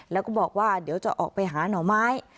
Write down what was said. แล้วก็บอกว่าเดี๋ยวจะออกไปหาหน่อไม้